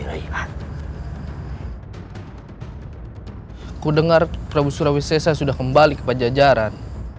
aku dengar prabu surawesi saya sudah kembali ke pajajaran